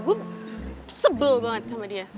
gue sebel banget sama dia